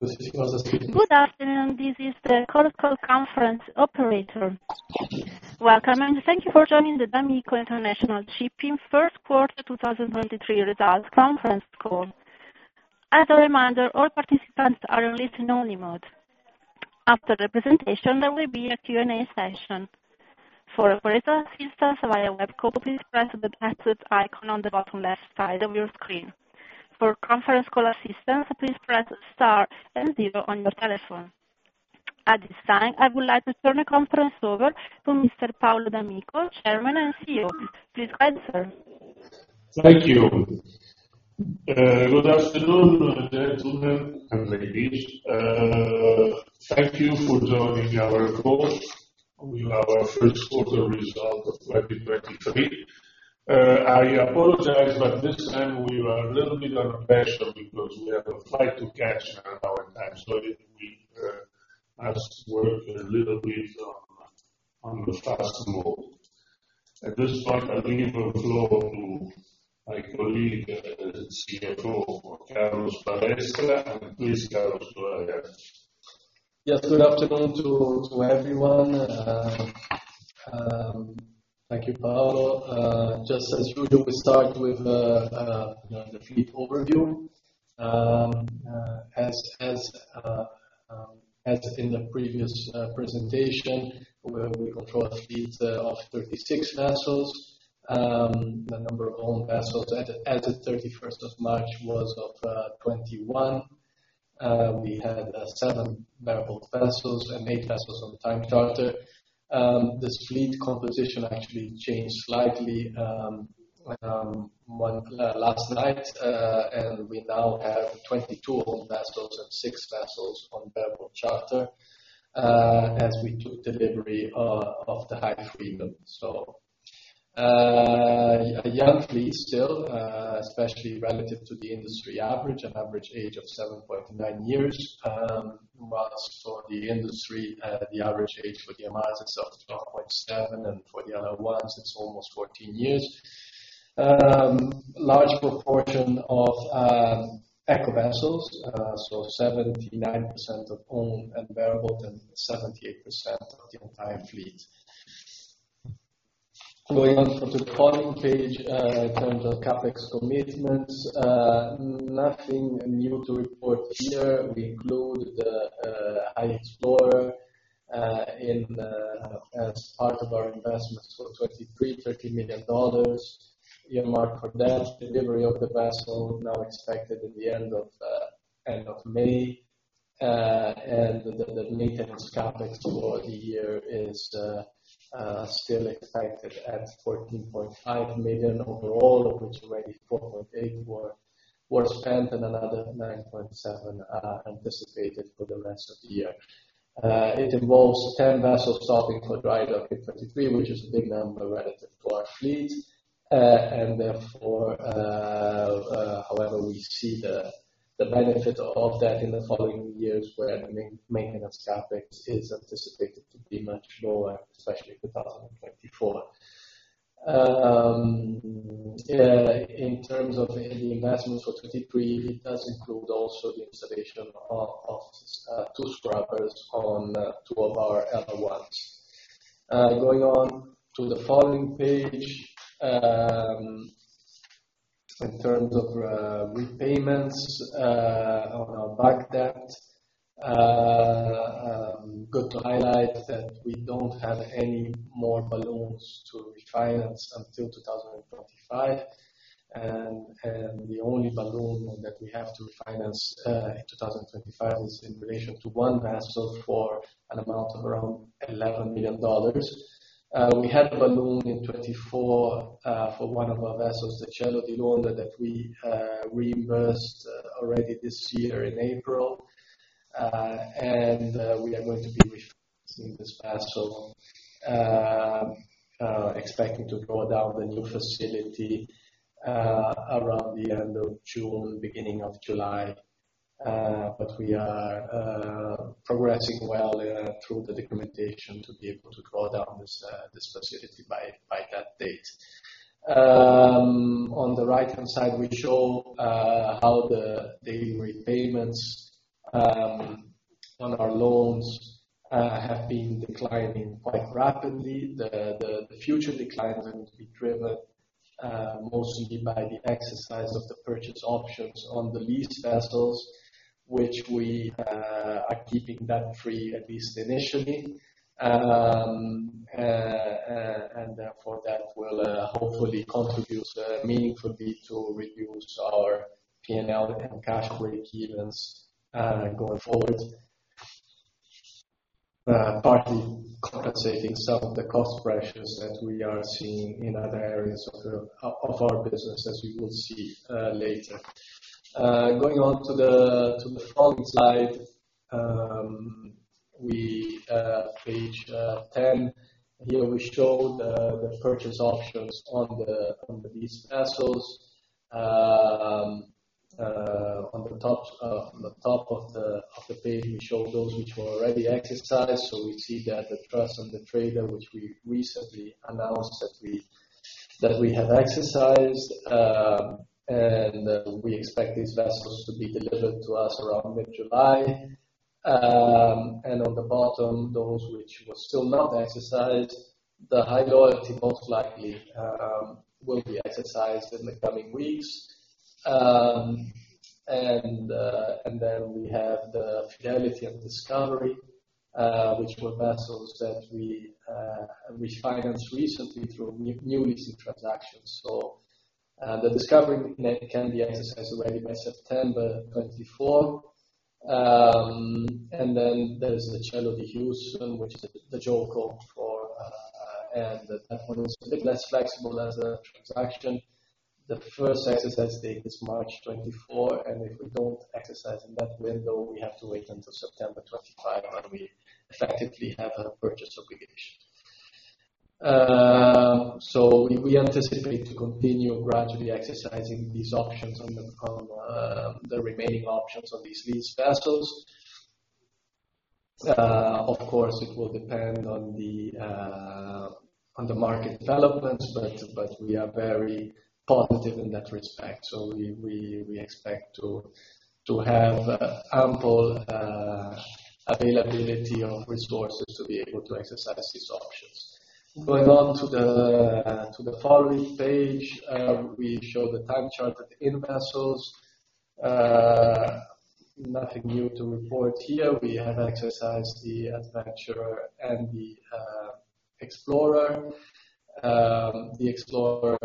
Good afternoon. This is the conference call conference operator. Welcome, and thank you for joining the d'Amico International Shipping first quarter 2023 results conference call. As a reminder, all participants are released in only mode. After the presentation, there will be a Q&A session. For operator assistance via web code, please press the bathtub icon on the bottom left side of your screen. For conference call assistance, please press star and zero on your telephone. At this time, I would like to turn the conference over to Mr. Paolo d'Amico, Chairman and CEO. Please go ahead, sir. Thank you. good afternoon, gentlemen and ladies. thank you for joining our call. We have our first quarter result of 2023. I apologize, but this time we are a little bit under pressure because we have a flight to catch in an hour time, so if we has to work a little bit on the fast mode. At this point, I'll give the floor to my colleague, CFO, Carlos Balestra. Please, Carlos, go ahead. Yes, good afternoon to everyone. Thank you, Paolo. Just as usual, we start with, you know, the fleet overview. As in the previous presentation where we control a fleet of 36 vessels. The number of owned vessels as of 31st of March was of 21. We had, 7 bareboat vessels and 8 vessels on time charter. This fleet composition actually changed slightly, one last night. We now have 22 owned vessels and 6 vessels on bareboat charter, as we took delivery of the High Freedom. A young fleet still, especially relative to the industry average. An average age of 7.9 years, whilst for the industry, the average age for the 12.7 and for the other ones, it's almost 14 years. Large proportion of eco vessels, so 79% of owned and bareboat and 78% of the entire fleet. Going on to the following page, in terms of CapEx commitments, nothing new to report here. We include the High Explorer in the as part of our investments for 2023, $30 million earmarked for that delivery of the vessel now expected at the end of May. The maintenance CapEx for the year is still expected at $14.5 million overall, of which already $4.8 were spent and another $9.7 are anticipated for the rest of the year. It involves 10 vessels stopping for dry dock in 2023, which is a big number relative to our fleet. However, we see the benefit of that in the following years where maintenance CapEx is anticipated to be much lower, especially in 2024. In terms of the investments for 2023, it does include also the installation of two scrubbers on two of our other ones. Going on to the following page, in terms of repayments on our back debt, good to highlight that we don't have any more balloons to refinance until 2025. The only balloon that we have to refinance in 2025 is in relation to one vessel for an amount of around $11 million. We had a balloon in 2024 for one of our vessels, the Cielo di Londra, that we reimbursed already this year in April. We are going to be refinancing this vessel expecting to draw down the new facility around the end of June, beginning of July. We are progressing well through the documentation to be able to draw down this facility by that date. On the right-hand side, we show how the daily repayments on our loans have been declining quite rapidly. The future declines are going to be driven mostly by the exercise of the purchase options on the lease vessels, which we are keeping that free, at least initially. Therefore that will hopefully contribute meaningfully to reduce our PNL and cash break evens going forward. Partly compensating some of the cost pressures that we are seeing in other areas of our business, as we will see later. Going on to the following slide, we page 10. Here we show the purchase options on the lease vessels. On the top, on the top of the page, we show those which were already exercised. We see that the High Trust, which we recently announced that we have exercised, and we expect these vessels to be delivered to us around mid-July. On the bottom, those which were still not exercised, the High Loyalty most likely will be exercised in the coming weeks. Then we have the Fidelity and Discovery, which were vessels that we which financed recently through new leasing transactions. The Discovery can be exercised already by September 2024. Then there's the Charlotte Hughes, which is the Joe Cole for, and that one is a bit less flexible as a transaction. The first exercise date is March 2024, and if we don't exercise in that window, we have to wait until September 2025 when we effectively have a purchase obligation. We anticipate to continue gradually exercising these options on the remaining options on these lease vessels. Of course, it will depend on the market developments, but we are very positive in that respect. We expect to have ample availability of resources to be able to exercise these options. Going on to the following page, we show the time chart of in vessels. Nothing new to report here. We have exercised the Adventurer and the Explorer. The Explorer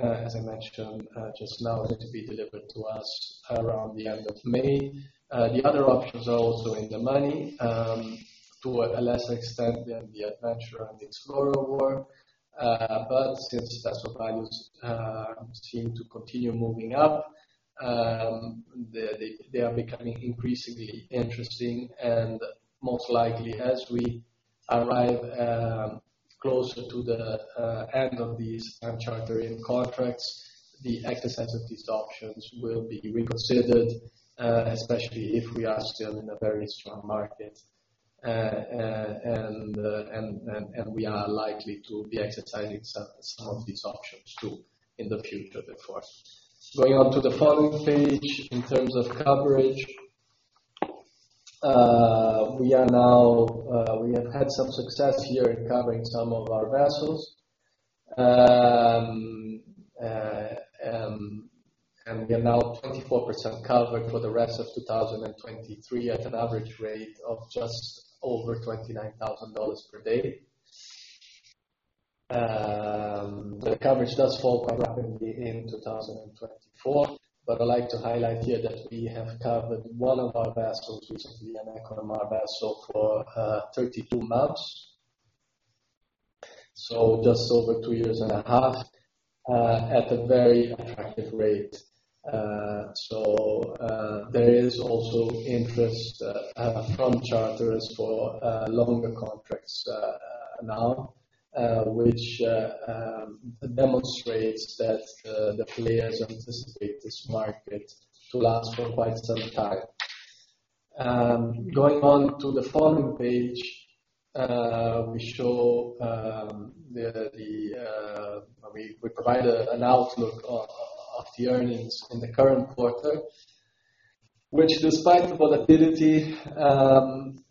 as I mentioned just now is to be delivered to us around the end of May. The other options are also in the money to a lesser extent than the Adventurer and Explorer were. Since vessel values seem to continue moving up, they are becoming increasingly interesting and most likely as we arrive closer to the end of these time charter in contracts, the exercise of these options will be reconsidered, especially if we are still in a very strong market. We are likely to be exercising some of these options too in the future, therefore. Going on to the following page, in terms of coverage, we are now we have had some success here in covering some of our vessels. We are now 24% covered for the rest of 2023 at an average rate of just over $29,000 per day. The coverage does fall quite rapidly in 2024, but I'd like to highlight here that we have covered one of our vessels recently, an eco vessel for 32 months. Just over two years and a half at a very attractive rate. There is also interest from charters for longer contracts now, which demonstrates that the players anticipate this market to last for quite some time. Going on to the following page, we provide an outlook of the earnings in the current quarter, which despite the volatility,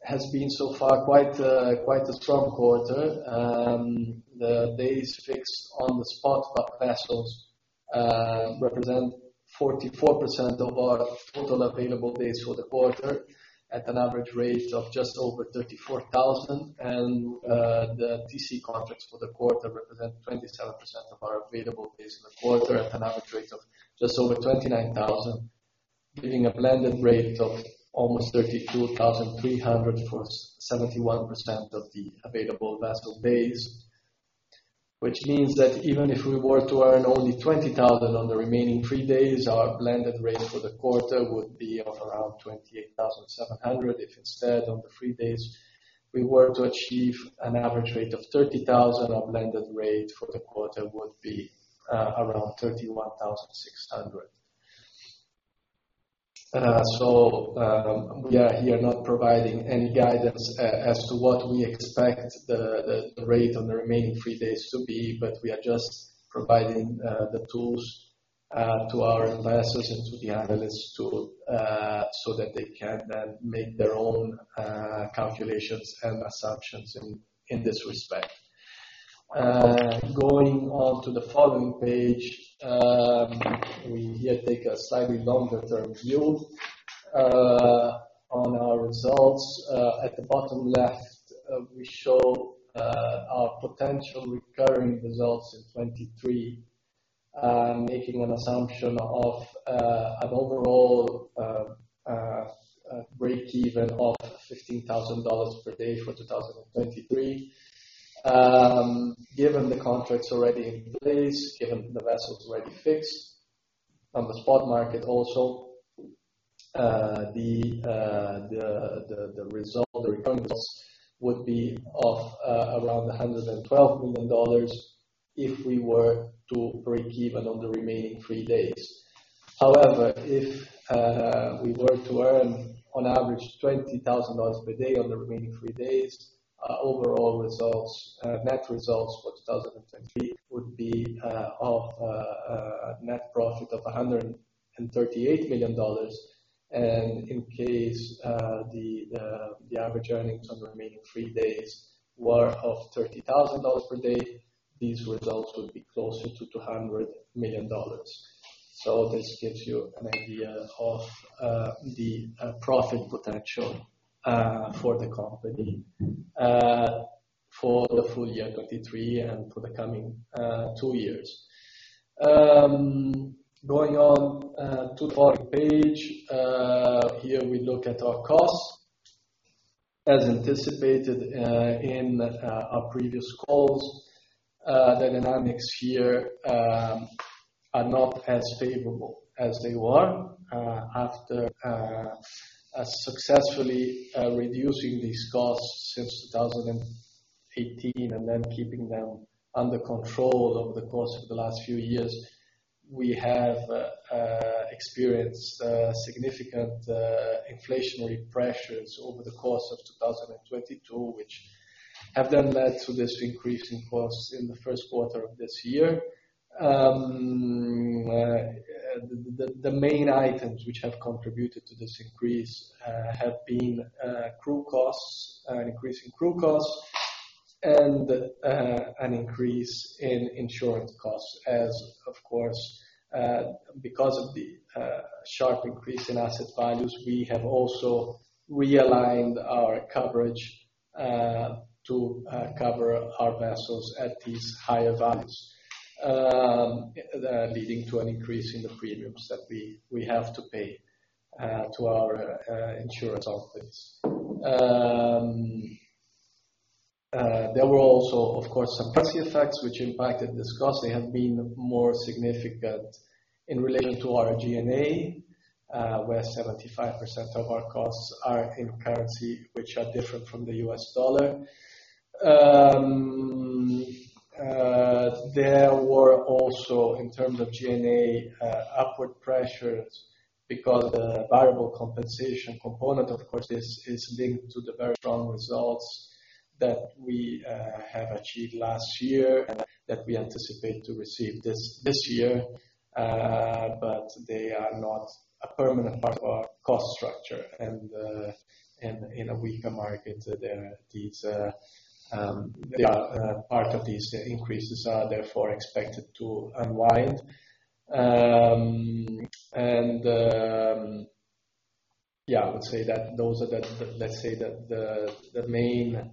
has been so far quite a strong quarter. The days fixed on the spot by vessels represent 44% of our total available days for the quarter at an average rate of just over $34,000. The TC contracts for the quarter represent 27% of our available days in the quarter at an average rate of just over $29,000, giving a blended rate of almost $32,300 for 71% of the available vessel days. Which means that even if we were to earn only $20,000 on the remaining three days, our blended rate for the quarter would be of around $28,700. If instead, on the three days, we were to achieve an average rate of $30,000, our blended rate for the quarter would be around $31,600. We are here not providing any guidance as to what we expect the rate on the remaining three days to be, but we are just providing the tools to our investors and to the analysts so that they can then make their own calculations and assumptions in this respect. Going on to the following page, we here take a slightly longer term view on our results. At the bottom left, we show our potential recurring results in 2023, making an assumption of an overall break even of $15,000 per day for 2023. Given the contracts already in place, given the vessels already fixed on the spot market also, the recurring results would be of around $112 million if we were to break even on the remaining three days. However, if we were to earn on average $20,000 per day on the remaining three days, overall results, net results for 2023 would be of a net profit of $138 million. In case the average earnings on the remaining three days were of $30,000 per day, these results would be closer to $200 million. This gives you an idea of the profit potential for the company for the full year 2023 and for the coming two years. Going on to following page. Here we look at our costs. As anticipated in our previous calls, the dynamics here are not as favorable as they were after successfully reducing these costs since 2018 and then keeping them under control over the course of the last few years. We have experienced significant inflationary pressures over the course of 2022, which have then led to this increase in costs in the first quarter of this year. The main items which have contributed to this increase have been crew costs, an increase in crew costs, and an increase in insurance costs as of course, because of the sharp increase in asset values, we have also realigned our coverage to cover our vessels at these higher values. Leading to an increase in the premiums that we have to pay to our insurance companies. There were also, of course, some currency effects which impacted this cost. They have been more significant in relation to our G&A, where 75% of our costs are in currency, which are different from the US dollar. There were also, in terms of G&A, upward pressures because the variable compensation component, of course, is linked to the very strong results that we have achieved last year and that we anticipate to receive this year. They are not a permanent part of our cost structure. In a weaker market there, part of these increases are therefore expected to unwind. I would say that those are the main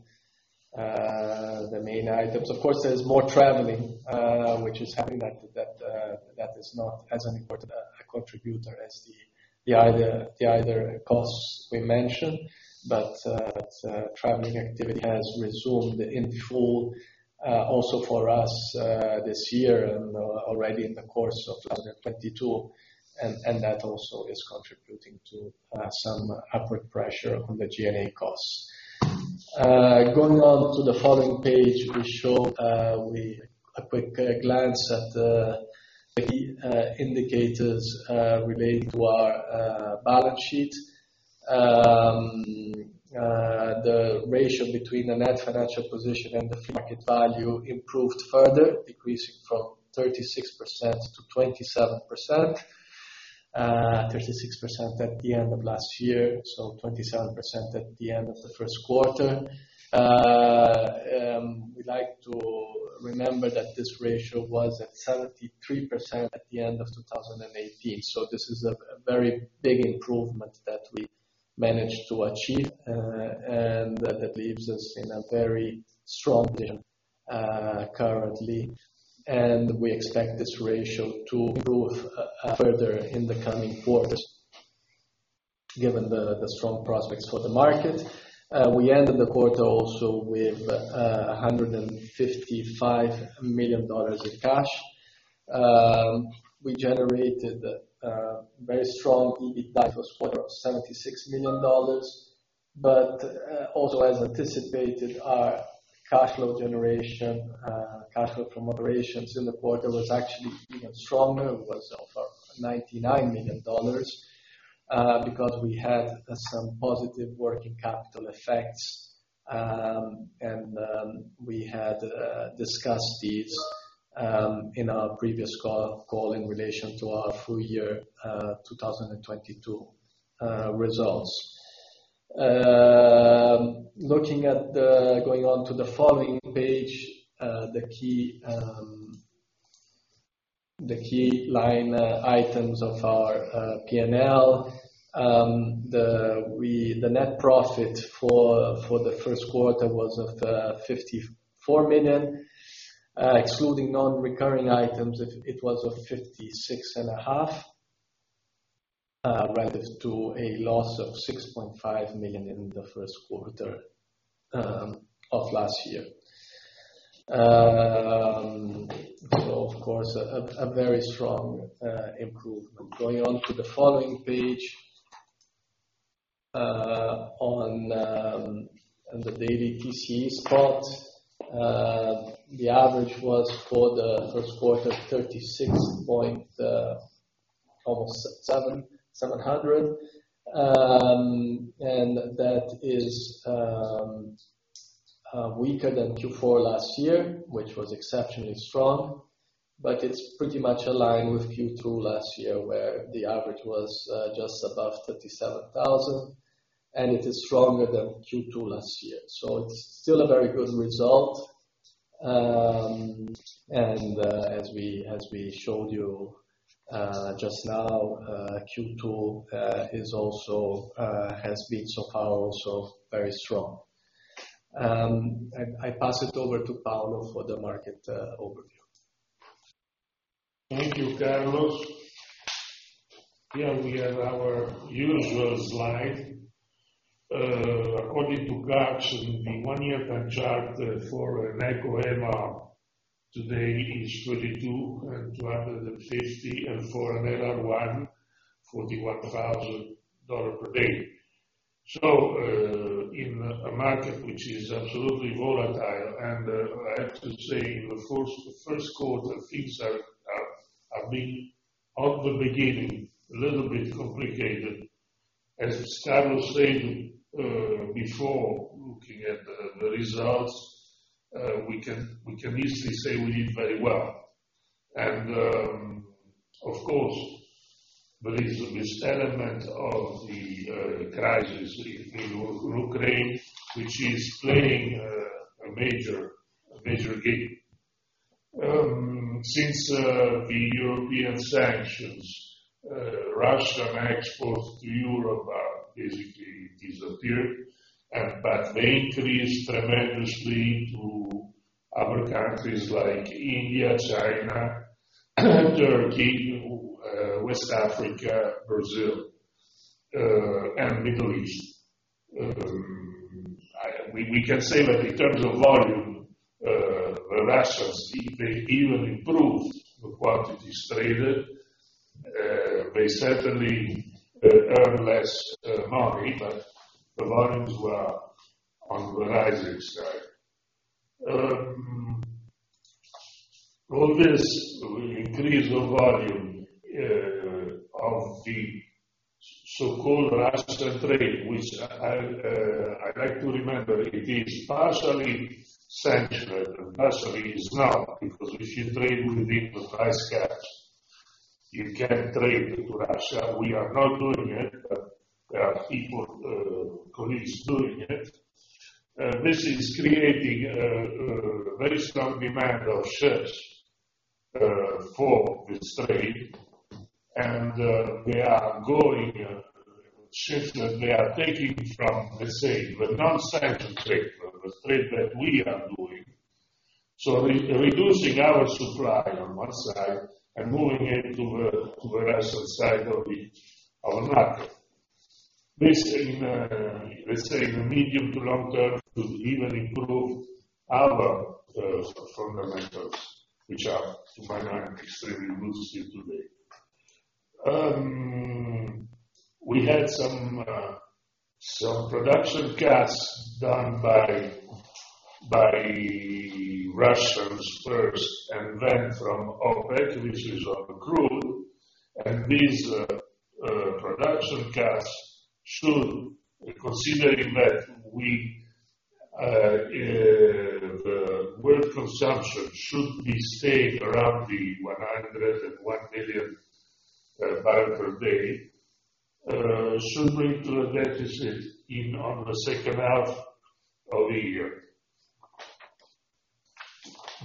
items. Of course, there's more traveling, which is having that is not as an important a contributor as the other costs we mentioned. Traveling activity has resumed in full, also for us, this year and already in the course of 2022. That also is contributing to some upward pressure on the G&A costs. Going on to the following page, we show a quick glance at the key indicators related to our balance sheet. The ratio between the net financial position and the market value improved further, decreasing from 36% to 27%. 36% at the end of last year, so 27% at the end of the first quarter. We like to remember that this ratio was at 73% at the end of 2018. This is a very big improvement that we managed to achieve, and that leaves us in a very strong position currently. We expect this ratio to improve further in the coming quarters given the strong prospects for the market. We ended the quarter also with $155 million in cash. We generated very strong EBITDA, it was quarter of $76 million. Also as anticipated, our cash flow generation, cash flow from operations in the quarter was actually even stronger. It was of $99 million because we had some positive working capital effects. And we had discussed these in our previous call in relation to our full year 2022 results. Looking at the... Going on to the following page, the key line items of our PNL. The net profit for the first quarter was of $54 million. Excluding non-recurring items it was of $56.5 million, relative to a loss of $6.5 million in the first quarter of last year. Of course a very strong improvement. Going on to the following page. On the daily TCE spot, the average was for the first quarter almost $36,700. That is weaker than Q4 last year, which was exceptionally strong. It's pretty much aligned with Q2 last year, where the average was just above $37,000, and it is stronger than Q2 last year. It's still a very good result. As we showed you, just now, Q2, is also has been so far also very strong. I pass it over to Paolo for the market, overview. Thank you, Carlos.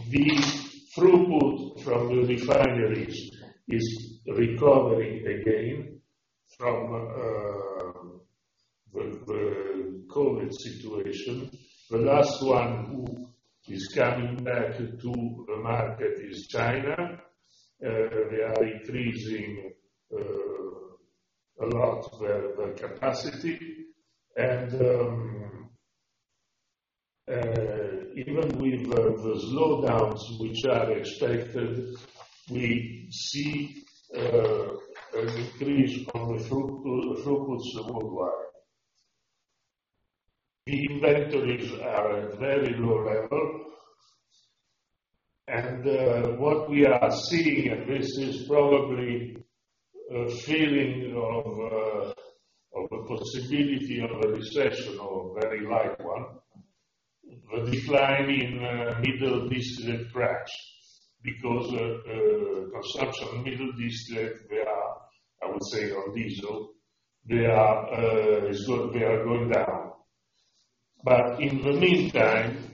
The throughput from the refineries is recovering again from the COVID situation. The last one who is coming back into the market is China. They are increasing a lot of their capacity and even with the slowdowns which are expected, we see an increase on the throughputs worldwide. The inventories are at very low level. What we are seeing, and this is probably a feeling of a possibility of a recession or a very light one, the decline in Middle Distillate cracks because consumption in Middle Distillate, they are, I would say on diesel, they are going down. In the meantime,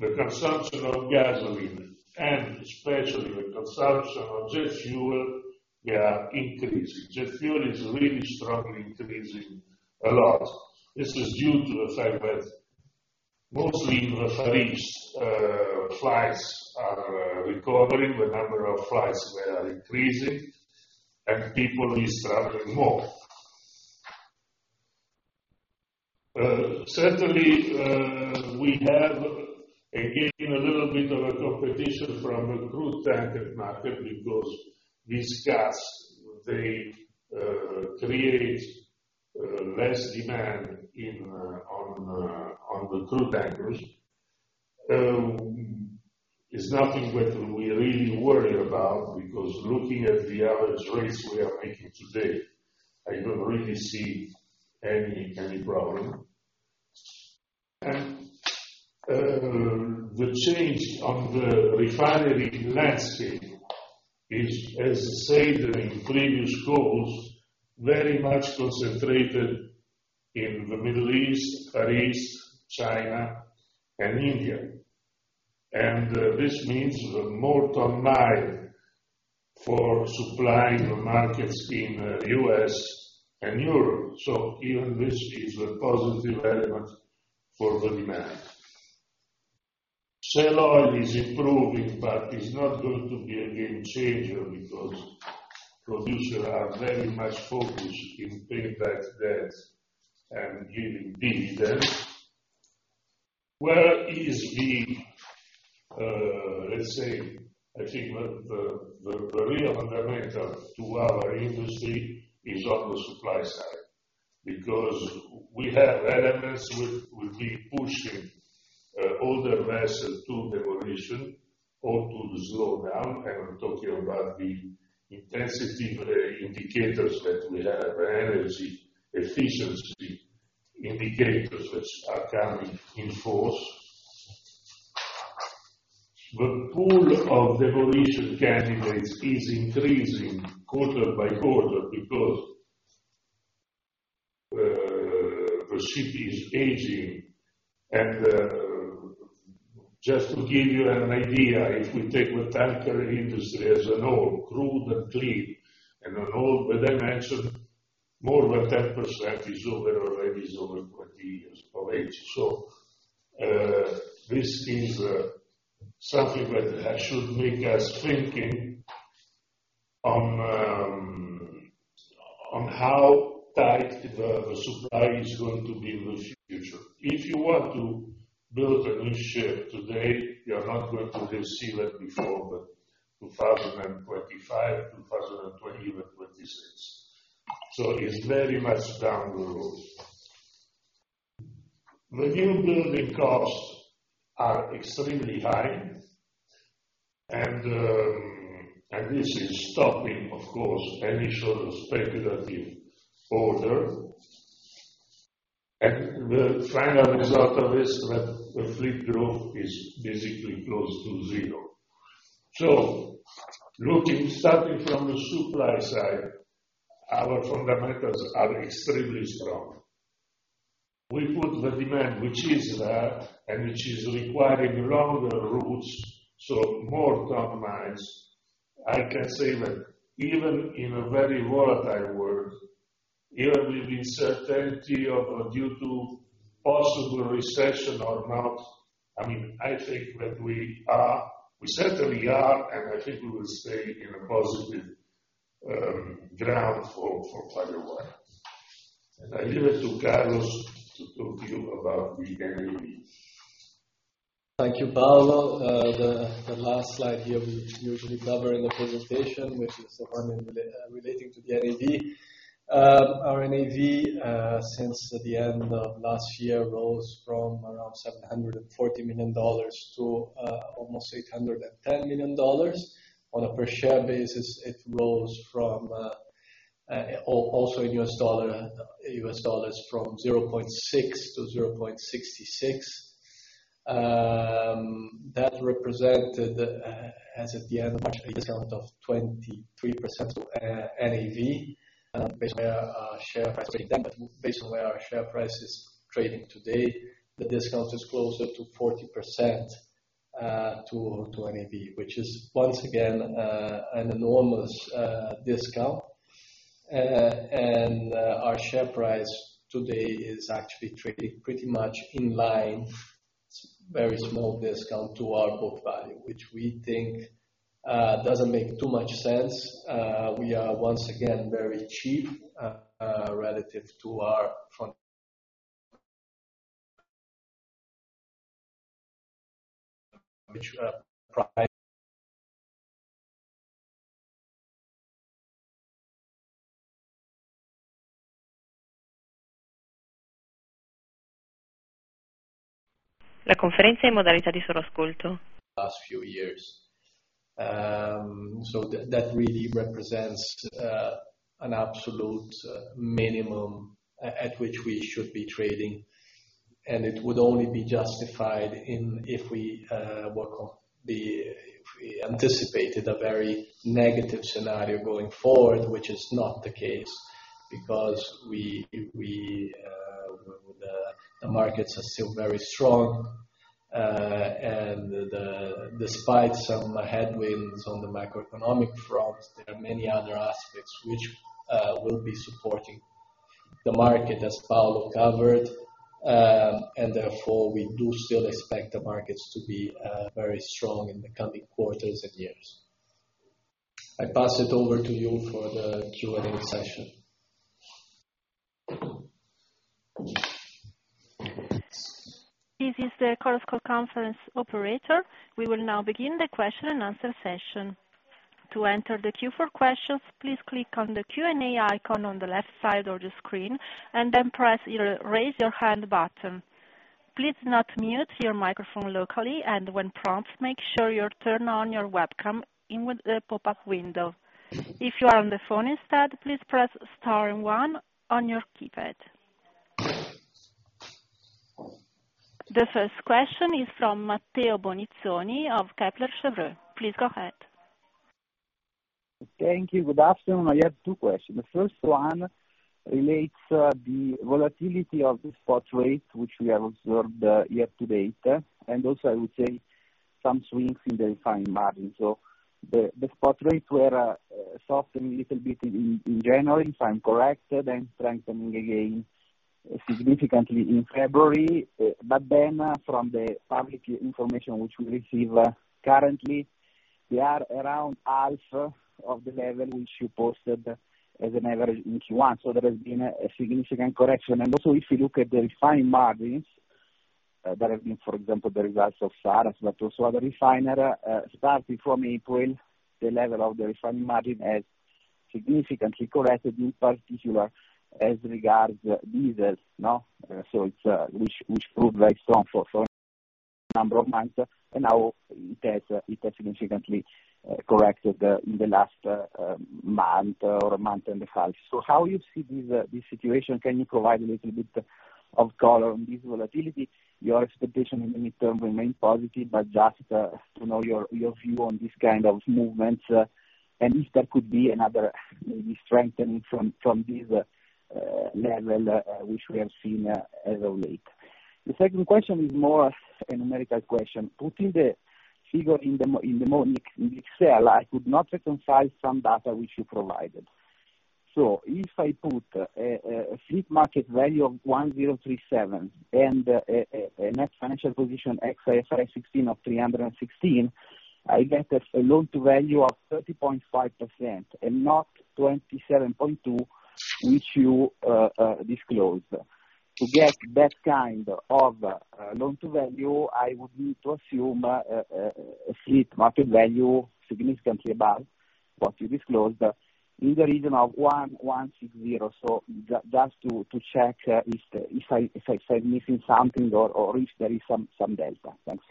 the consumption of gasoline and especially the consumption of jet fuel, they are increasing. Jet fuel is really strongly increasing a lot. This is due to the fact that mostly in the Far East, flights are recovering, the number of flights, they are increasing, and people is traveling more. Certainly, we have, again, a little bit of a competition from the crude tanker market because these gas, they create less demand on the crude tankers. It's nothing that we really worry about because looking at the average rates we are making today, I don't really see any problem. The change on the refinery landscape is, as I said in previous calls, very much concentrated in the Middle East, Far East, China, and India. This means more ton-mile for supplying the markets in U.S. and Europe. Even this is a positive element for the demand. Shell oil is improving, but it's not going to be a game changer because producers are very much focused in paying back debts and giving dividends. Where is the, let's say, I think the, the real fundamental to our industry is on the supply side, because we have elements which will be pushing older vessels to demolition or to slow down. I'm talking about the intensity indicators that we have, Energy Efficiency indicators which are coming in force. The pool of demolition candidates is increasing quarter by quarter because the city is aging. Just to give you an idea, if we take the tanker industry as an whole, crude and clean, and on all the dimensions, more than 10% already is over 20 years of age. This is something that should make us thinking on how tight the supply is going to be in the future. If you want to build a new ship today, you're not going to receive it before the 2025, 2020 or 2026. It's very much down the road. The new building costs are extremely high, this is stopping, of course, any sort of speculative order. The final result of this, that the fleet growth is basically close to zero. Looking, starting from the supply side, our fundamentals are extremely strong. We put the demand which is there, and which is requiring longer routes, more ton-miles. I can say that even in a very volatile world, even with the uncertainty of due to possible recession or not, I mean, I think that we certainly are, and I think we will stay in a positive ground for quite a while. I leave it to Carlos to talk to you about the NAV. Thank you, Paolo. The last slide here we usually cover in the presentation, which is the one relating to the NAV. Our NAV, since the end of last year rose from around $740 million to almost $810 million. On a per share basis, it rose from also U.S. dollar, U.S. dollars, from $0.6 to $0.66. That represented as at the end of March, a discount of 23% of NAV, based on where our share price is trading today. Based on where our share price is trading today, the discount is closer to 40% to NAV, which is once again, an enormous discount. Our share price today is actually trading pretty much in line, very small discount to our book value, which we think doesn't make too much sense. We are once again, very cheap, relative to our fund which Last few years. So that really represents an absolute minimum at which we should be trading, and it would only be justified in if we anticipated a very negative scenario going forward, which is not the case because we, the markets are still very strong. Despite some headwinds on the macroeconomic front, there are many other aspects which will be supporting the market as Paolo covered. We do still expect the markets to be very strong in the coming quarters and years. I pass it over to you for the Q&A session. This is the inaudible conference operator. We will now begin the question and answer session. To enter the queue for questions, please click on the Q&A icon on the left side of the screen, then press your raise your hand button. Please do not mute your microphone locally, and when prompted, make sure you turn on your webcam in with the pop-up window. If you are on the phone instead, please press star one on your keypad. The first question is from Matteo Bonizzoni of Kepler Cheuvreux. Please go ahead. Thank you. Good afternoon. I have two questions. The first one relates the volatility of the spot rate, which we have observed year-to-date, and also I would say some swings in the refined margin. The spot rate were softening a little bit in January, if I'm correct, then strengthening again significantly in February. From the public information which we receive currently, we are around half of the level which you posted as an average in Q1. There has been a significant correction. Also if you look at the refining margins, there have been, for example, the results of Saras, but also other refiners, starting from April, the level of the refining margin has significantly corrected, in particular as regards diesel, no? It's which proved very strong for some number of months, and now it has significantly corrected in the last month or a month and a half. How you see this situation, can you provide a little bit of color on this volatility? Your expectation in the near term remain positive, but just to know your view on this kind of movements, and if there could be another maybe strengthening from this level which we have seen as of late? The second question is more a numerical question. Putting the figure in the Monique in Excel, I could not reconcile some data which you provided. If I put a fleet market value of $1,037 and a net financial position ex IFRS 16 of $316, I get a loan to value of 30.5% and not 27.2%, which you disclosed. To get that kind of loan to value, I would need to assume a fleet market value significantly above what you disclosed in the region of $1,160. Just to check if I'm missing something or if there is some data. Thanks.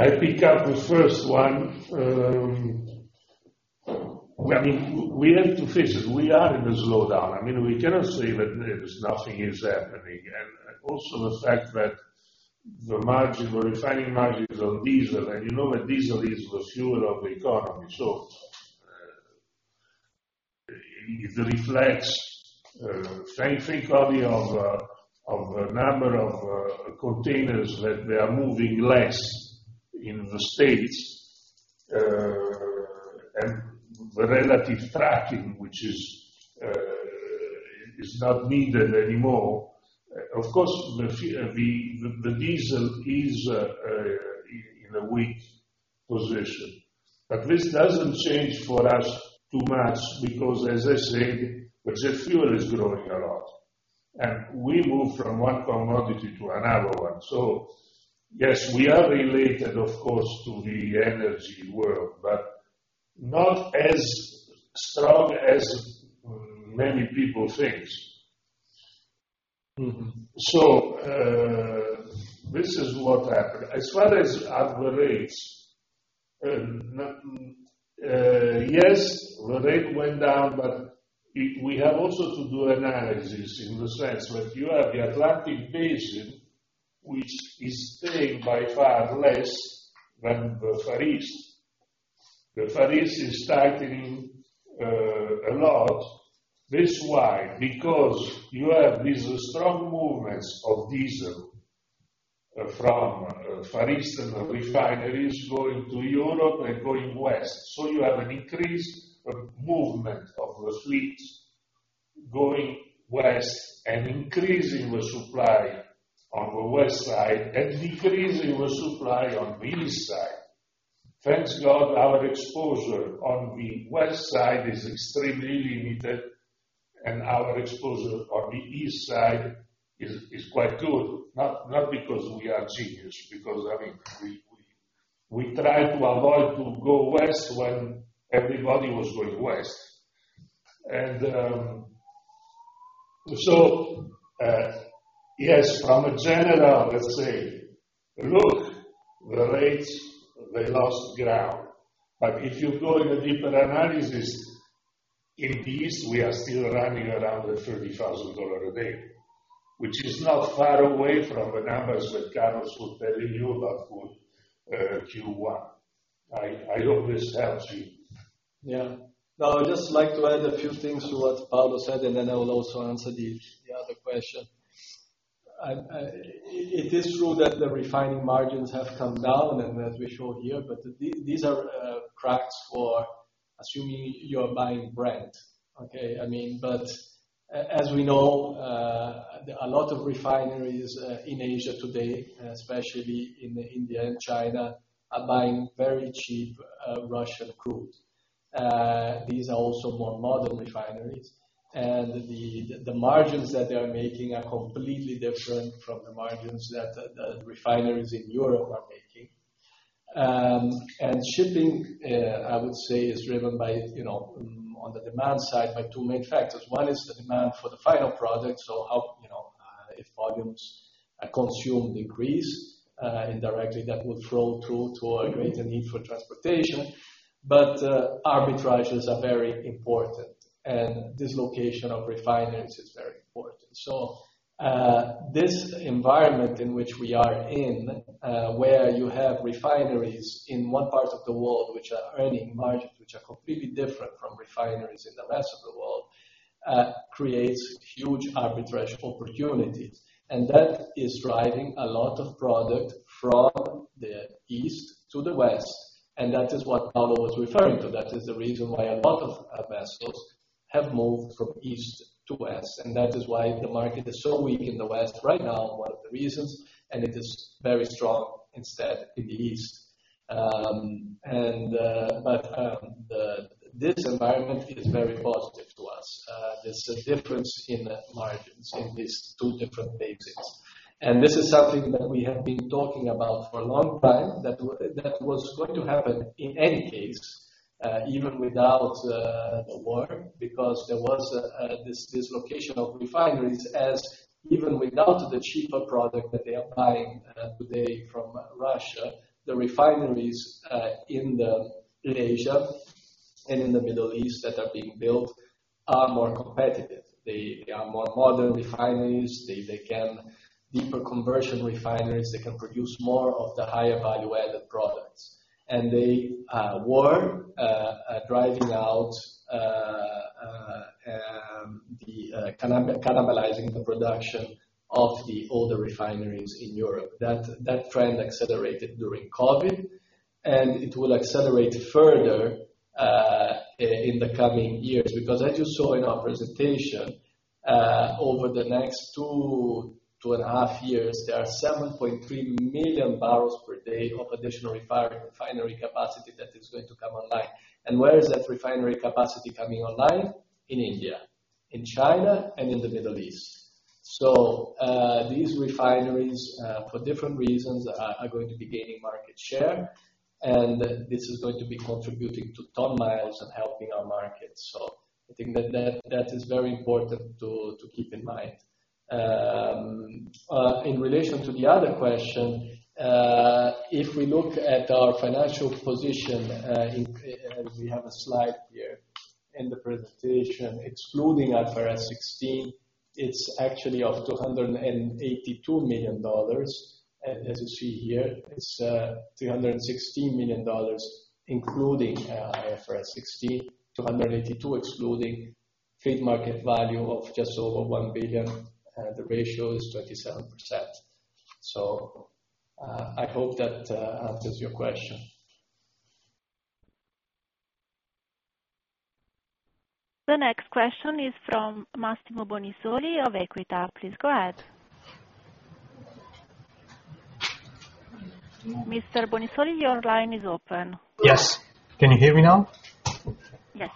I pick up the first one. I mean, we have to face it. We are in a slowdown. I mean, we cannot say that there's nothing is happening. Also the fact that the refining margins on diesel, and you know that diesel is the fuel of the economy. It reflects, think of a number of containers that they are moving less in the States, and the relative tracking, which is not needed anymore. Of course, the diesel is in a weak position. This doesn't change for us too much because as I said, the jet fuel is growing a lot. We move from one commodity to another one. Yes, we are related of course to the energy world, but not as strong as many people think. This is what happened. As far as our rates, no, yes, the rate went down, but we have also to do analysis in the sense that you have the Atlantic basin, which is paying by far less than the Far East. The Far East is tightening a lot. That's why, because you have these strong movements of diesel from Far Eastern refineries going to Europe and going west. You have an increased movement of the fleets going west and increasing the supply on the west side and decreasing the supply on the east side. Thanks God, our exposure on the west side is extremely limited, and our exposure on the east side is quite good. Not because we are genius, because I mean, we try to avoid to go west when everybody was going west. Yes, from a general, let's say, look, the rates, they lost ground. If you go in a deeper analysis, in peace we are still running around $30,000 a day, which is not far away from the numbers Carlos Balestra was telling you about for Q1. I hope this helps you. Yeah. Now I'd just like to add a few things to what Paolo said, and then I will also answer the other question. It is true that the refining margins have come down and as we show here, but these are cracks for Assuming you are buying brand, okay? I mean, as we know, a lot of refineries in Asia today, especially in India and China, are buying very cheap Russian crude. These are also more modern refineries. The, the margins that they are making are completely different from the margins that the refineries in Europe are making. And shipping, I would say is driven by, you know, on the demand side by two main factors. One is the demand for the final product. How, you know, if volumes are consumed increase, indirectly that will flow through to a greater need for transportation. Arbitrages are very important, and this location of refineries is very important. This environment in which we are in, where you have refineries in one part of the world which are earning margins which are completely different from refineries in the rest of the world, creates huge arbitrage opportunities. That is driving a lot of product from the east to the west, and that is what Paolo was referring to. That is the reason why a lot of vessels have moved from east to west, and that is why the market is so weak in the West right now, one of the reasons, and it is very strong instead in the East. This environment is very positive to us. There's a difference in margins in these two different basins. This is something that we have been talking about for a long time, that was going to happen in any case, even without the war. There was this location of refineries as even without the cheaper product that they are buying today from Russia, the refineries in Asia and in the Middle East that are being built are more competitive. They are more modern refineries. They can deep conversion refineries, they can produce more of the higher value-added products. They were driving out the cannibalizing the production of the older refineries in Europe. That trend accelerated during COVID, and it will accelerate further in the coming years. As you saw in our presentation, over the next two and a half years, there are 7.3 million barrels per day of additional refinery capacity that is going to come online. Where is that refinery capacity coming online? In India, in China, and in the Middle East. These refineries, for different reasons, are going to be gaining market share, and this is going to be contributing to ton-miles and helping our market. I think that is very important to keep in mind. In relation to the other question, if we look at our financial position, we have a slide here in the presentation, excluding IFRS 16, it's actually of $282 million. As you see here, it's $360 million, including IFRS 16, $282 excluding. Feed market value of just over $1 billion. The ratio is 27%. I hope that answers your question. The next question is from Massimo Bonisoli of Equita. Please go ahead. Mr. Bonisoli, your line is open. Yes. Can you hear me now? Yes.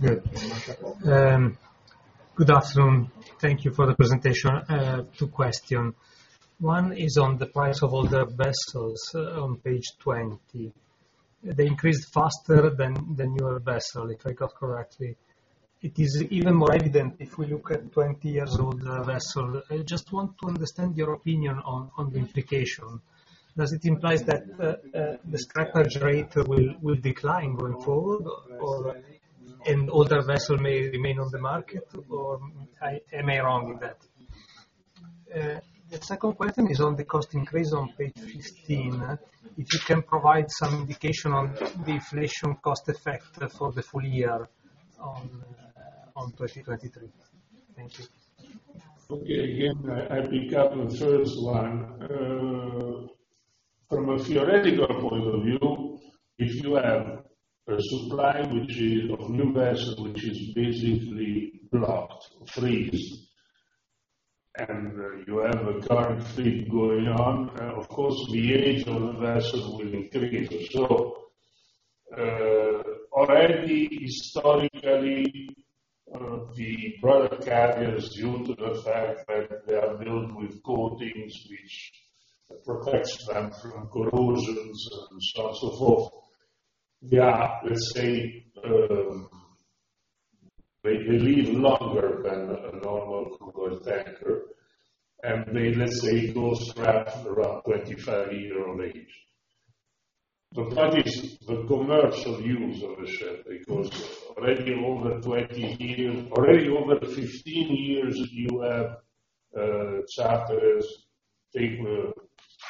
Good. Good afternoon. Thank you for the presentation. Two question. One is on the price of older vessels on page 20. They increased faster than your vessel, if I got correctly. It is even more evident if we look at 20 years old vessel. I just want to understand your opinion on the implication. Does it implies that the scrap charge rate will decline going forward or an older vessel may remain on the market, or am I wrong with that? The second question is on the cost increase on page 15. If you can provide some indication on the inflation cost effect for the full year on 2023. Thank you. Okay. Again, I pick up the first one. From a theoretical point of view, if you have a supply which of new vessel which is basically blocked, freezed, and you have a current fleet going on, of course, the age of the vessel will increase. Already historically, the product carriers, due to the fact that they are built with coatings which protects them from corrosions and so on and so forth, they are, let's say, they live longer than a normal tanker. They, let's say, go scrap around 25 year of age. That is the commercial use of the ship, because already over 20 years, already over 15 years, you have, charterers take the,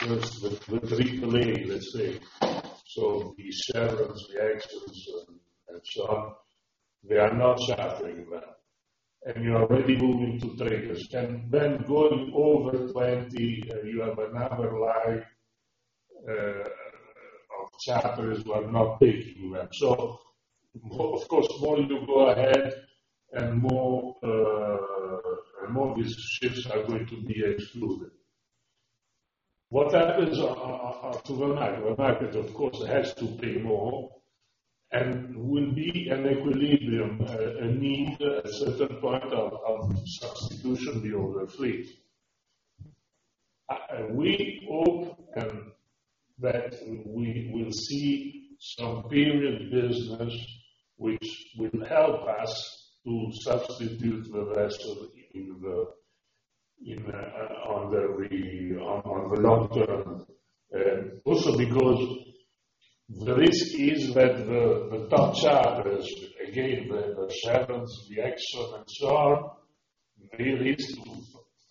first, the three play, let's say. The severances, the accidents and so on, they are not chartering well. You are already moving to traders. Then going over 20, you have another life Of chapters who are not paying you back. Of course, more you go ahead and more and more these ships are going to be excluded. What happens to the market? The market, of course, has to pay more and will be an equilibrium, a need, a certain point of substitution the older fleet. We hope that we will see some period business which will help us to substitute the vessel in the, in, on the long term. Because the risk is that the top chapters, again, the Sevens, the Exxon and so on, they need to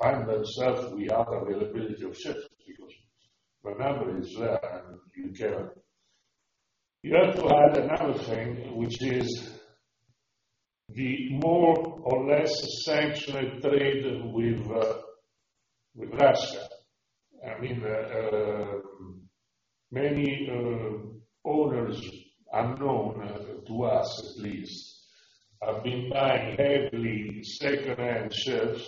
find themselves without availability of ships because the number is there and you can. You have to add another thing, which is the more or less sanctioned trade with Russia. I mean, the many owners unknown to us at least, have been buying heavily secondhand ships,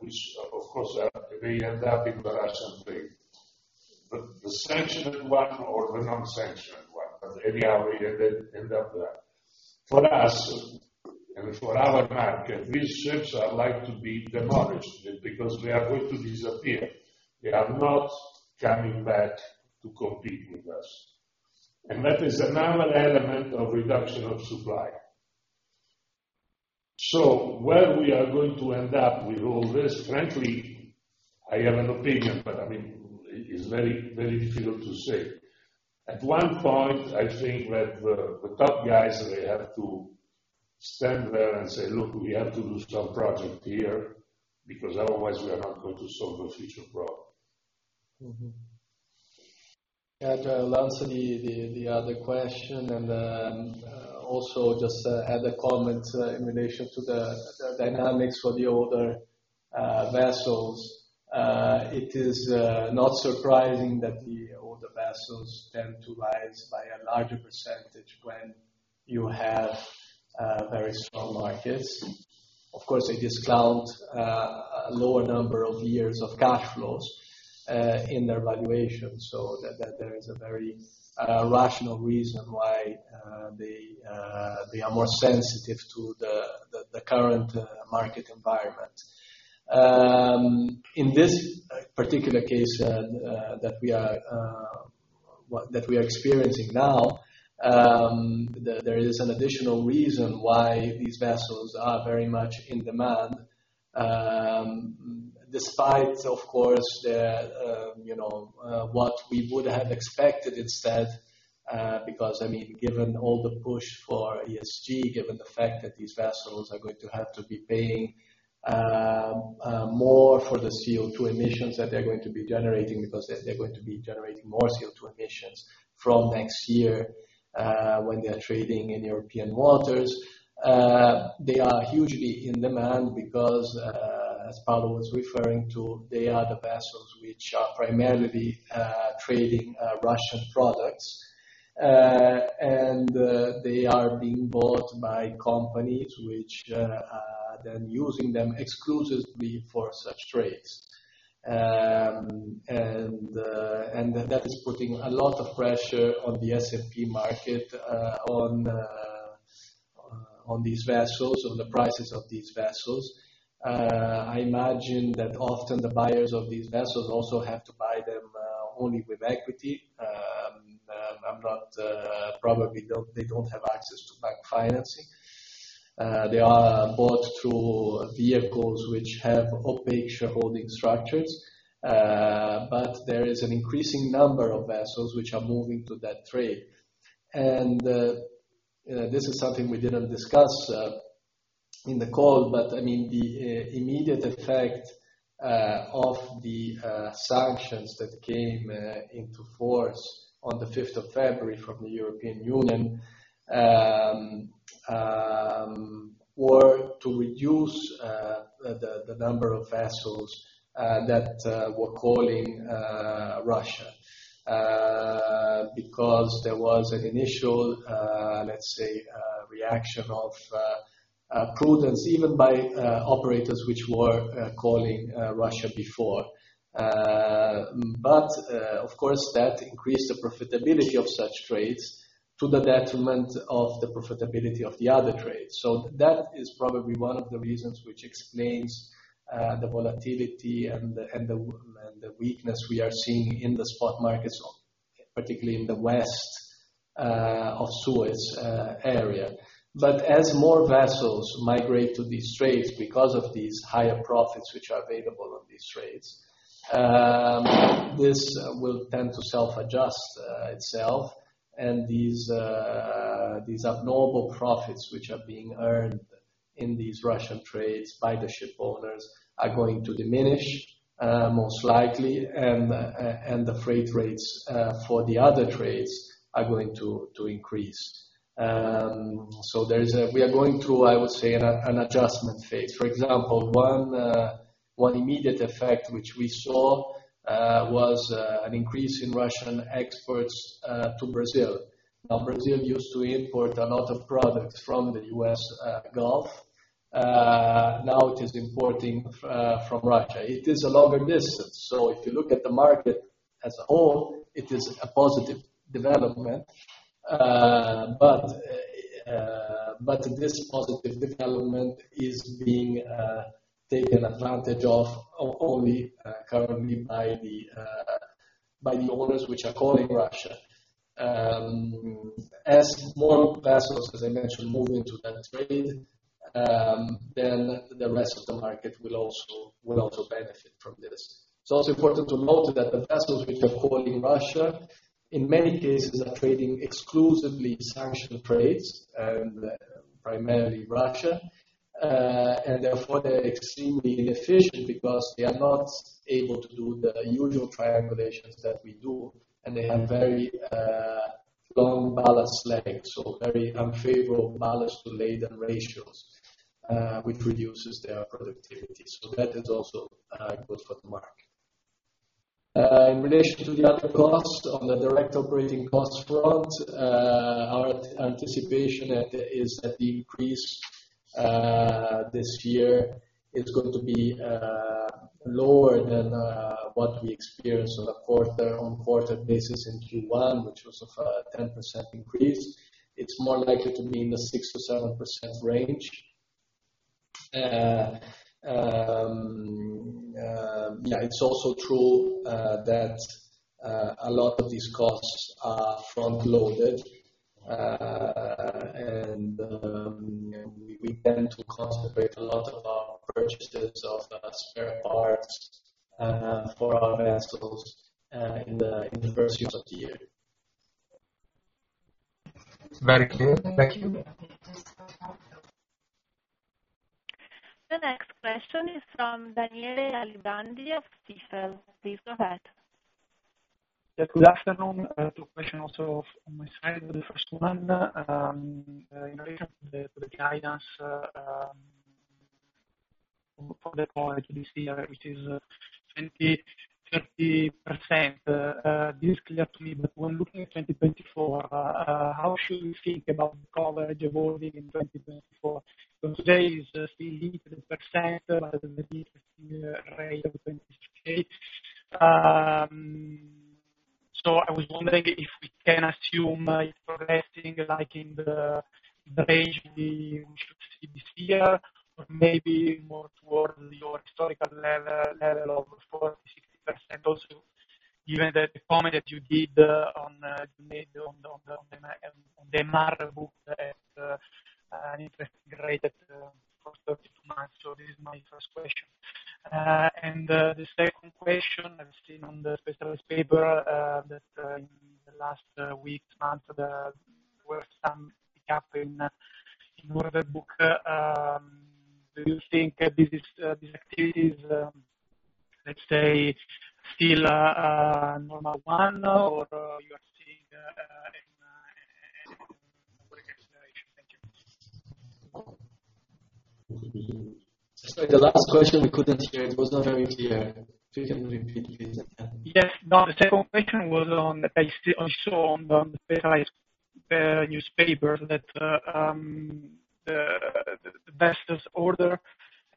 which of course are, they end up in the Russian fleet. The sanctioned one or the non-sanctioned one, anyhow, they end up there. For us and for our market, these ships are like to be demolished because they are going to disappear. They are not coming back to compete with us. That is another element of reduction of supply. Where we are going to end up with all this, frankly, I have an opinion, I mean, it is very, very difficult to say. At one point, I think that the top guys, they have to stand there and say, "Look, we have to do some project here because otherwise we are not going to solve the future problem. Mm-hmm. Yeah. To answer the other question and also just add a comment in relation to the dynamics for the older vessels. It is not surprising that the older vessels tend to rise by a larger percentage when you have very strong markets. Of course, they discount a lower number of years of cash flows in their valuation. That there is a very rational reason why they are more sensitive to the current market environment. In this particular case that we are experiencing now, there is an additional reason why these vessels are very much in demand. Despite of course the, you know, what we would have expected instead, because given all the push for ESG, given the fact that these vessels are going to have to be paying more for the CO2 emissions that they're going to be generating because they're going to be generating more CO2 emissions from next year, when they're trading in European waters. They are hugely in demand because as Paolo was referring to, they are the vessels which are primarily trading Russian products. They are being bought by companies which are then using them exclusively for such trades. That is putting a lot of pressure on the S&P market, on these vessels, on the prices of these vessels. I imagine that often the buyers of these vessels also have to buy them only with equity. They don't have access to bank financing. They are bought through vehicles which have opaque shareholding structures. There is an increasing number of vessels which are moving to that trade. This is something we didn't discuss in the call, but I mean, the immediate effect of the sanctions that came into force on the fifth of February from the European Union were to reduce the number of vessels that were calling Russia. There was an initial, let's say, reaction of prudence even by operators which were calling Russia before. Of course, that increased the profitability of such trades to the detriment of the profitability of the other trades. That is probably one of the reasons which explains the volatility and the weakness we are seeing in the spot markets, particularly in the west of Suez area. As more vessels migrate to these trades because of these higher profits which are available on these trades, this will tend to self-adjust itself. These abnormal profits which are being earned in these Russian trades by the shipowners are going to diminish most likely and the freight rates for the other trades are going to increase. We are going through, I would say, an adjustment phase. For example, one immediate effect which we saw was an increase in Russian exports to Brazil. Now, Brazil used to import a lot of products from the U.S. Gulf. Now it is importing from Russia. It is a longer distance. If you look at the market as a whole, it is a positive development. This positive development is being taken advantage of only currently by the owners which are calling Russia. As more vessels, as I mentioned, move into that trade, then the rest of the market will also benefit from this. It's also important to note that the vessels which are calling Russia, in many cases are trading exclusively sanction trades, primarily Russia. Therefore, they're extremely inefficient because they are not able to do the usual triangulations that we do, and they have very long ballast legs, so very unfavorable ballast to laden ratios, which reduces their productivity. That is also good for the market. In relation to the other costs on the direct operating cost front, our anticipation is that the increase this year is going to be lower than what we experienced on a quarter-on-quarter basis in Q1, which was of 10% increase. It's more likely to be in the 6%-7% range. It's also true that a lot of these costs are front-loaded. We tend to concentrate a lot of our purchases of spare parts for our vessels in the first years of the year. It's very clear. Thank you. Thank you. That was helpful. The next question is from Daniele Aliberti of Jefferies. Please go ahead. Good afternoon. Two question also on my side. The first one, in relation to the guidance from that point this year, which is 20-30%. This clear to me, but when looking at 2024, how should we think about the coverage evolving in 2024? Those days are still 80% rather than the rate of 22K. I was wondering if we can assume progressing like in the range we should see this year or maybe more towards your historical level of 46%. Also, given the comment that you did on, you made on the MR book at an interest rate at 42 months. This is my first question. The second question I've seen on the specialist paper that in the last week, month, there were some pick up in order book. Do you think this is this activity is let's say still a normal one or you are seeing an acceleration? Thank you. Sorry, the last question we couldn't hear. It was not very clear. If you can repeat, please. Yes. No, the second question was on, I saw on the specialized newspaper that the vessels order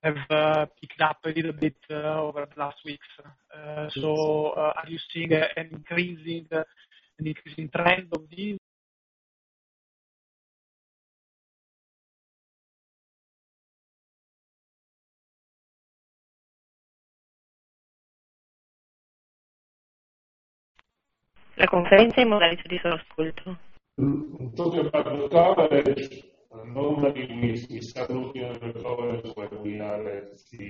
have picked up a little bit over the last weeks. Are you seeing an increasing trend of this? The conference is now closed. Talking about the coverage, normally we start looking at the coverage when we are at the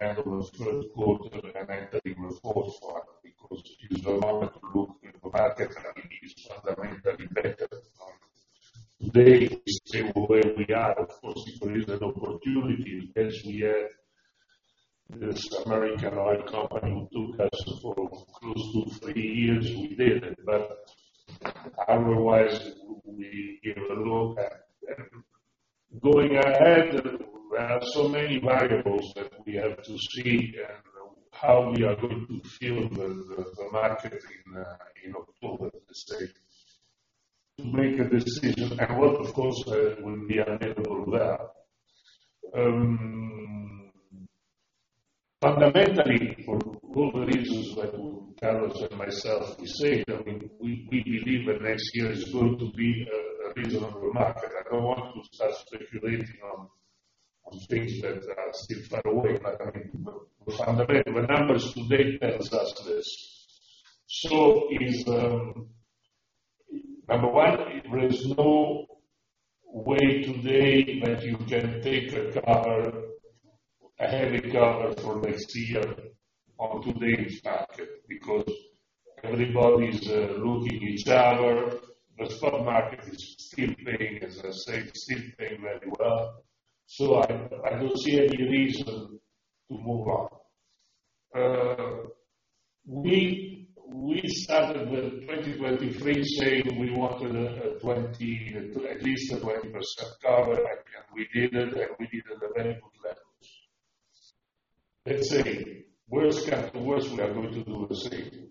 end of the current quarter and then the first one, because it is a lot to look in the market and it is fundamentally better. Today, we see where we are. Of course, if there is an opportunity, as we had this American oil company who took us for close to three years, we did it. Otherwise, we give a look at them. Going ahead, there are so many variables that we have to see and how we are going to feel the market in October, let's say, to make a decision, and what, of course, will be available there. Fundamentally, for all the reasons that Carlos and myself is saying, we believe that next year is going to be a reasonable market. I don't want to start speculating on things that are still far away, but fundamentally, the numbers today tells us this. is, number one, there is no way today that you can take a cover, a heavy cover for next year on today's market because everybody is looking each other. The stock market is still playing, as I said, very well. I don't see any reason to move up. We started with 2023 saying we wanted a 20%, at least a 20% cover, and we did it, and we did it at very good levels. Let's say worse come to worst, we are going to do the same.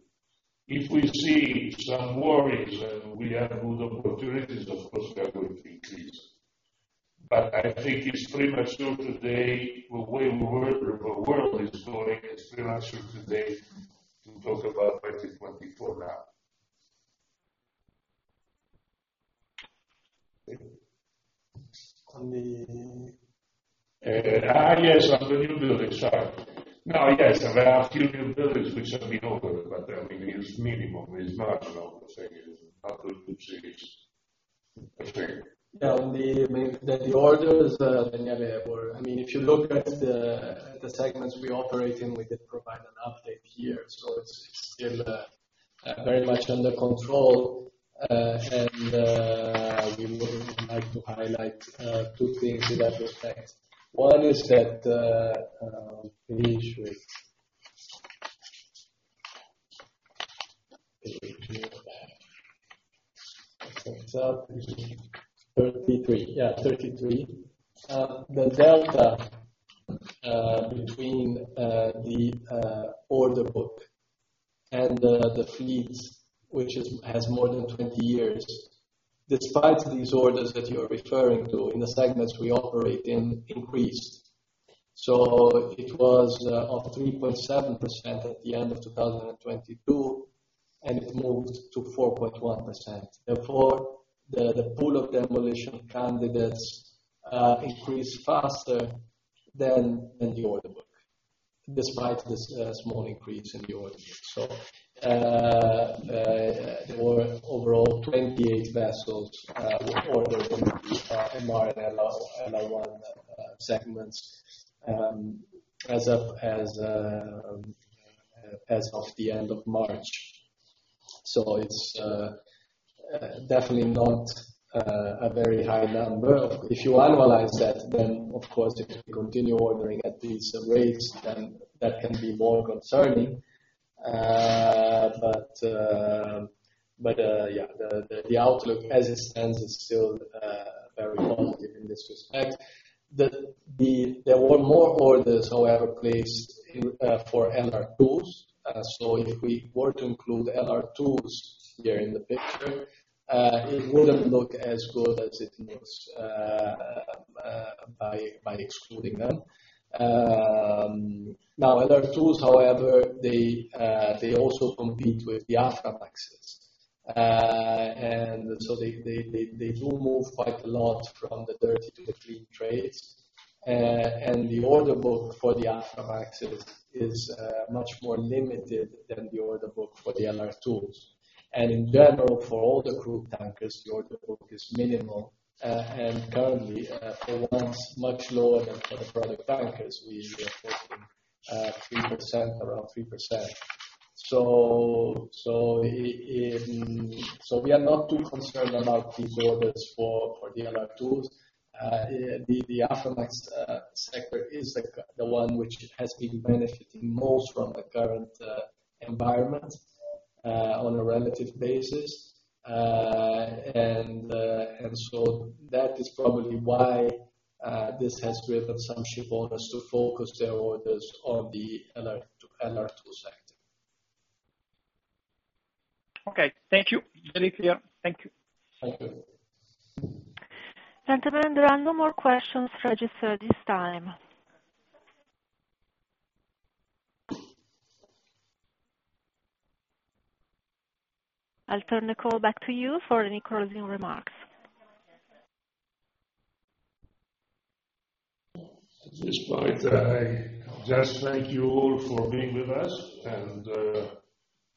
If we see some worries and we have good opportunities, of course we are going to increase. I think it's premature today the way the world is going, it's premature today to talk about 2024 now. On the- Yes, on the new buildings. Sorry. Yes. There are a few new buildings which have been ordered, but, I mean, it's minimum. It's marginal, say it's up to six. Yeah, on the orders, Daniele, or I mean, if you look at the segments we operate in, we did provide an update here. It's still very much under control. We would like to highlight two things in that respect. One is that the issue is 33. Yeah, 33. The delta between the order book and the fleets, which has more than 20 years, despite these orders that you are referring to in the segments we operate in increased. It was up 3.7% at the end of 2022, and it moved to 4.1%. Therefore, the pool of demolition candidates increased faster than the order book, despite this small increase in the order book. There were overall 28 vessels ordered in MR and LR, LR1 segments as of the end of March. It's definitely not a very high number. If you annualize that, then of course if you continue ordering at these rates, then that can be more concerning. Yeah. The outlook as it stands is still very positive in this respect. There were more orders, however, placed for LR2s. If we were to include LR2s here in the picture, it wouldn't look as good as it looks by excluding them. Now LR2s however, they also compete with the Aframaxes. They do move quite a lot from the dirty to the clean trades. The order book for the Aframaxes is much more limited than the order book for the LR2s. In general, for all the crude tankers, the order book is minimal. Currently, performance much lower than for the product tankers. We are talking 3%, around 3%. We are not too concerned about these orders for the LR2s. The Aframax sector is the one which has been benefiting most from the current environment on a relative basis. That is probably why this has driven some shipowners to focus their orders on the LR2 sector. Okay. Thank you. Very clear. Thank you. Thank you. Gentlemen, there are no more questions registered at this time. I'll turn the call back to you for any closing remarks. At this point, I just thank you all for being with us.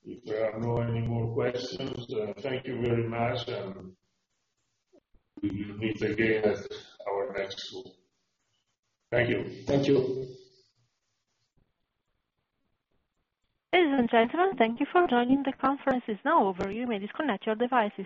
If there are no any more questions, thank you very much and we will meet again at our next call. Thank you. Thank you. Ladies and gentlemen, thank you for joining. The conference is now over. You may disconnect your devices.